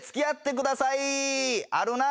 あるな。